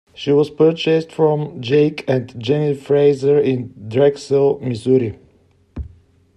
She was purchased from Jake and Jenny Frazier in Drexel, Missouri.